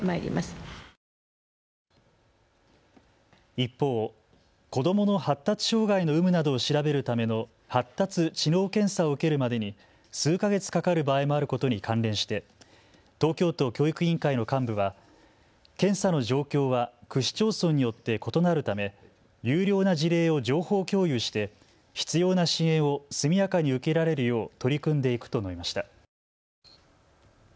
一方、子どもの発達障害の有無などを調べるための発達・知能検査を受けるまでに数か月かかる場合もあることに関連して東京都教育委員会の幹部は検査の状況は区市町村によって異なるため優良な事例を情報共有して必要な支援を速やかに受けられるよう取り組んでいくと述べました。